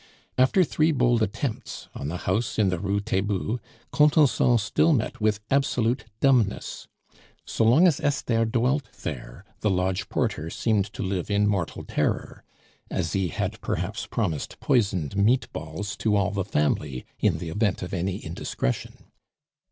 After three bold attempts on the house in the Rue Taitbout, Contenson still met with absolute dumbness. So long as Esther dwelt there the lodge porter seemed to live in mortal terror. Asie had, perhaps, promised poisoned meat balls to all the family in the event of any indiscretion.